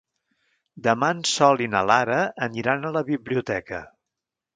Demà en Sol i na Lara aniran a la biblioteca.